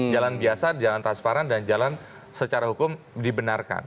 jalan biasa jalan transparan dan jalan secara hukum dibenarkan